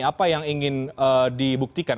apa yang ingin dibuktikan